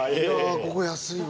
ここ安いわ。